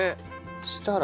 そしたら？